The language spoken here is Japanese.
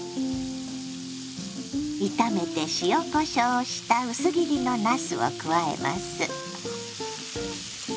炒めて塩こしょうをした薄切りのなすを加えます。